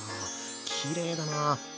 きれいだな。